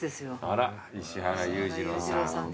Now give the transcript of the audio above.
あら石原裕次郎さん。